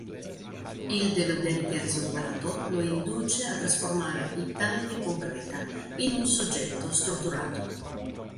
Il deludente risultato lo induce a trasformare "Italia Concreta" in un soggetto strutturato.